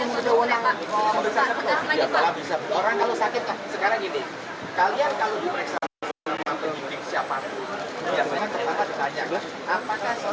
apakah saudara dalam keadaan sehat sudah disediakan